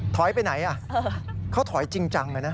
ถอยไปไหนอ่ะเขาถอยจริงจังน่ะนะ